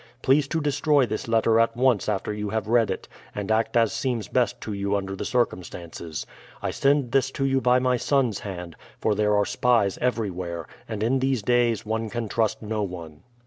Please to destroy this letter at once after you have read it, and act as seems best to you under the circumstances. I send this to you by my son's hand, for there are spies everywhere, and in these days one can trust no one."